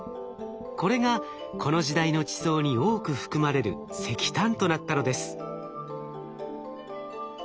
これがこの時代の地層に多く含まれる石炭となったのです。